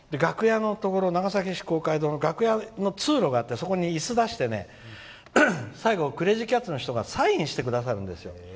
長崎市公会堂の楽屋の通路があってそこにいすを出して最後、クレージーキャッツの人がサインしてくださるんですよ。